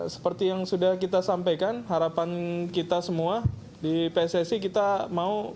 seperti yang sudah kita sampaikan harapan kita semua di pssi kita mau